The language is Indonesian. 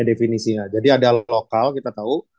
definisinya jadi ada lokal kita tahu